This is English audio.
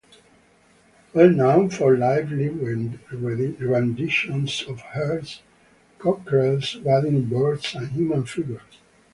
Well known for lively renditions of hares, cockerels, wading birds and human figures.